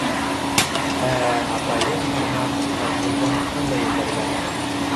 Ә атайым, һармаҡ, Наҙгөлдө һатҡан да ебәргән.